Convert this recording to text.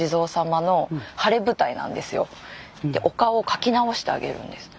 お顔を描き直してあげるんです。